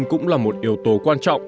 cũng là một yếu tố quan trọng